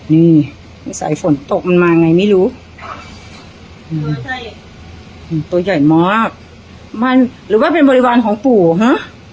นี่นิสัยฝนตกมันมาไงไม่รู้ตัวใหญ่อืมตัวใหญ่มากมันหรือว่าเป็นบริวารของปู่ฮะ